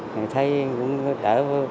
mình thấy cũng đỡ